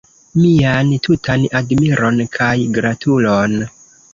Mian tutan admiron kaj gratulon!